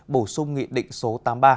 bổ sung nghị định số tám mươi ba